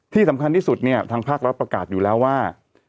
ที่สำคัญที่สุดเนี่ยทางภาครัฐประกาศอยู่แล้วว่า